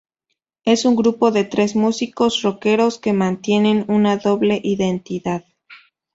Es un grupo de tres músicos roqueros que mantienen una doble identidad.